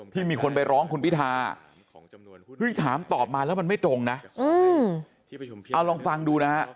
ที่มีคนไปร้องคุณพิธาถามตอบมาแล้วมันไม่ตรงนะเอาลองฟังดูนะฮะ